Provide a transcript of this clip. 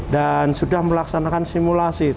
dan sudah melaksanakan simulasi